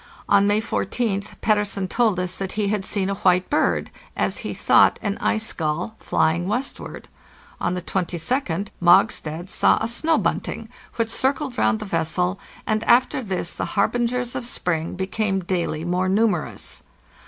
On May 14th Pettersen told us that he had seen a white bird, as he thought an ice gull, flying westward. On the 22d Mogstad saw a snow bunting, which circled round the vessel, and after this the harbingers of spring became daily more numerous.